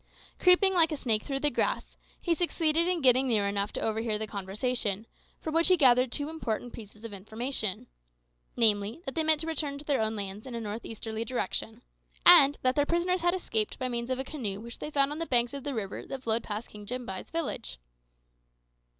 Creeping like a snake through the grass, he succeeded in getting near enough to overhear the conversation, from which he gathered two important pieces of information namely, that they meant to return to their own lands in a north easterly direction, and that their prisoners had escaped by means of a canoe which they found on the banks of the river that flowed past King Jambai's village.